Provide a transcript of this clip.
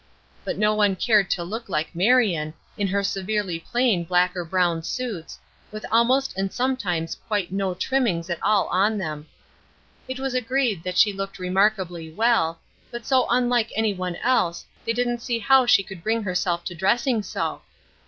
But no one cared to look like Marion, in her severely plain black or brown suits, with almost and sometimes quite no trimmings at all on them. It was agreed that she looked remarkably well, but so unlike any one else they didn't see how she could bring herself to dressing so.